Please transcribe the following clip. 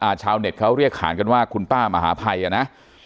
ชาวเน็ตเขาเรียกขานกันว่าคุณป้ามหาภัยอ่ะนะ